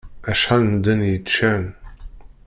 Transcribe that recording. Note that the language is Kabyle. Acḥal n medden i yi-iččan.